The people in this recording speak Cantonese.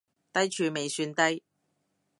低處未算低